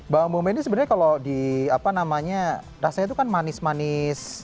bawang bombay ini sebenarnya kalau di apa namanya rasanya itu kan manis manis